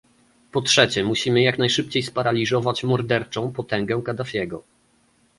Po trzecie, musimy jak najszybciej sparaliżować morderczą potęgę Kaddafiego